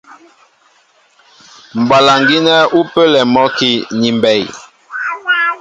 Mbwalaŋ gínɛ́ ú pə́lɛ a mɔ́ki ni mbey.